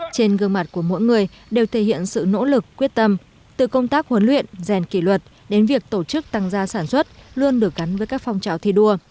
trên gương mặt của mỗi người đều thể hiện sự nỗ lực quyết tâm từ công tác huấn luyện rèn kỷ luật đến việc tổ chức tăng gia sản xuất luôn được gắn với các phong trào thi đua